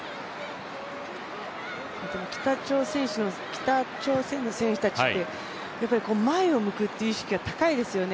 北朝鮮の選手たちって前を向くという意識が高いですよね。